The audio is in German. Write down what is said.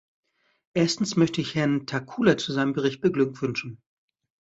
Erstens möchte ich Herrn Takkula zu seinem Bericht beglückwünschen.